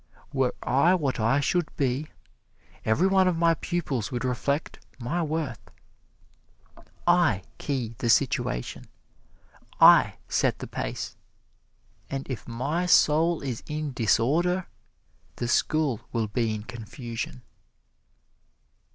Were I what I should be, every one of my pupils would reflect my worth. I key the situation, I set the pace, and if my soul is in disorder, the school will be in confusion."